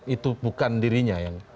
itu bukan dirinya yang